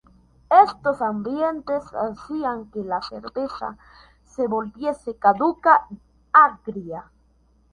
Estos ambientes hacían que la cerveza se volviese caduca y agria.